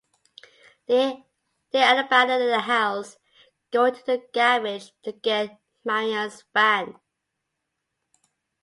They abandon the house, going to the garage to get Marion's van.